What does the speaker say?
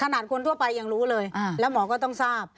คนทั่วไปยังรู้เลยแล้วหมอก็ต้องทราบ